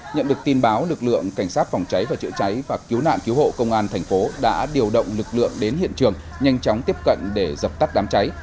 nhận được tin báo lực lượng cảnh sát phòng cháy và chữa cháy và cứu nạn cứu hộ công an thành phố đã điều động lực lượng đến hiện trường nhanh chóng tiếp cận để dập tắt đám cháy